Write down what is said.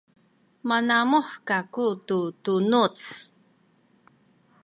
manamuh kaku tu tunuz